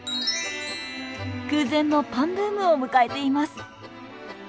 空前のパンブームを迎えています。